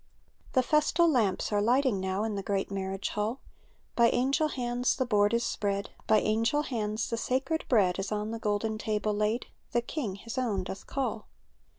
The festal lamps are lighting nozv In the great marriage hall ; By angel hands the board is spread. By angel hands the sacred bread Is on the golden table laid; The King His own doth call.